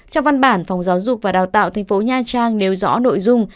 trong văn bản phòng giáo dục và đào tạo thành phố nha trang nêu rõ nội dung